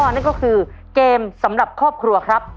นั่นก็คือเกมสำหรับครอบครัวครับ